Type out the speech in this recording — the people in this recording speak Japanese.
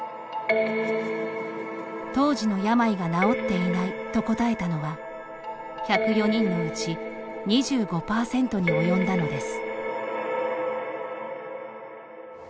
「当時の病が治っていない」と答えたのは、１０４人のうち２５％に及んだのです。